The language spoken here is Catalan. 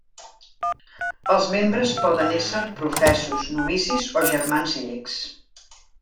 Els membres poden ésser professos, novicis o germans llecs.